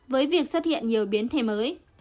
với việc xuất hiện nhiều biến thể mới